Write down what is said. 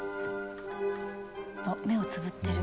あ目をつぶってる。